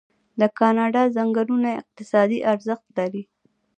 د کاناډا ځنګلونه اقتصادي ارزښت لري.